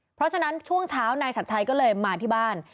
เพราะฉะนั้นช่วงเช้านายชัดชัยก็เลยมาที่บ้าน